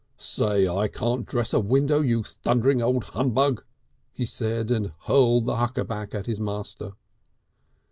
"Say I can't dress a window, you thundering old Humbug," he said, and hurled the huckaback at his master.